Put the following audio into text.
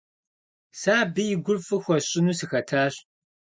Сэ абы и гур фӀы хуэсщӀыну сыхэтащ.